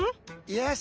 よし。